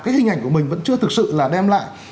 cái hình ảnh của mình vẫn chưa thực sự là đem lại